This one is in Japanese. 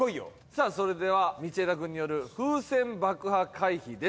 さあそれでは道枝くんによる風船爆破回避です。